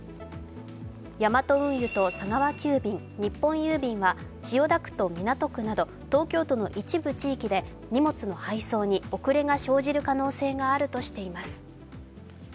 ヤマト運輸と佐川急便、日本郵便は千代田区と港区など東京都の一部地域で荷物の配送に遅れが生じる可能性があるとしています。